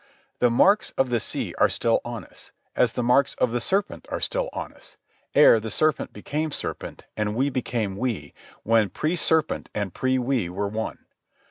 The marks of the sea are still on us, as the marks of the serpent are still on us, ere the serpent became serpent and we became we, when pre serpent and pre we were one.